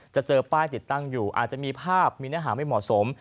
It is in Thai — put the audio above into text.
จะเจอป้ายติดตั้งอยู่อาจจะมีภาพมีเนื้อหาไม่เหมาะสม